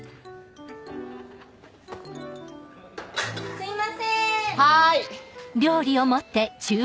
・すいません・はい！